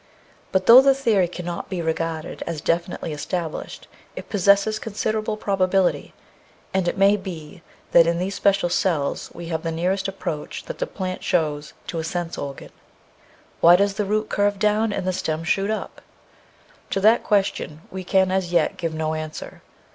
But though the theory can not be regarded as definitely established it possesses considerable probability, and it may be that in these special cells we have the nearest approach that the plant shows to a sense organ. Why does the root curve down and the stem shoot up? To that question we can as yet give no answer.